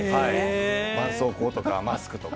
ばんそうこうとかマスクとか。